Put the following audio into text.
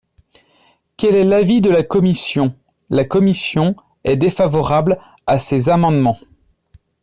Quel est l’avis de la commission ? La commission est défavorable à ces amendements.